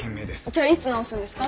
じゃあいつ直すんですか？